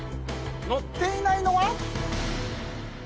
乗っていないのは。